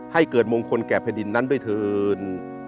ให้เกิดมงคลแก่แผ่นดินนั้นด้วยเถิน